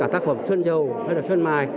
tất cả tác phẩm trơn dầu hay là trơn mài